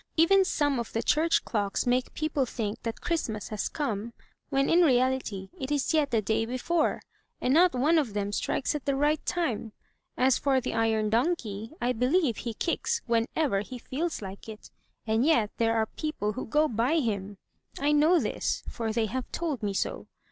Even some of the church clocks make people think that Christmas has come, when in reality it is yet the day before. And not one of them strikes at the right time. As for the iron donkey, I believe he kicks whenever he feels like it. And yet there are people who go by him! I know this, for they have told me so.